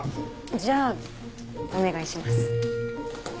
じゃあお願いします。